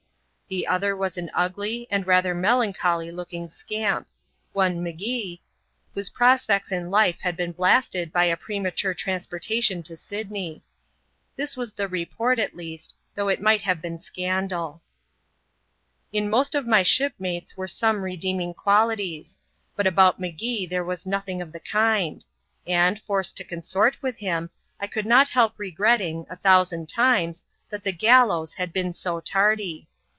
The other was an ugly, and rather melancholy looking scamp ; one M*Gee, whose prospects in life had been blasted by a premature transportation to Syd ney. This was the report, at least, though it might have been scandal. In most of my shipmates were some redeeming qualities; but about M'Gee there was nothing of the kind ; and, forced to consort with him, I could not help regretting, a thousand times, that the gallows had been so tardy.